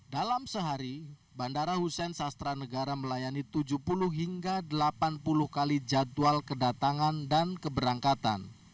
dalam sehari bandara hussein sastra negara melayani tujuh puluh hingga delapan puluh kali jadwal kedatangan dan keberangkatan